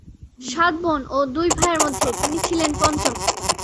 সাত বোন ও দুই ভাইয়ের মধ্যে তিনি ছিলেন পঞ্চম।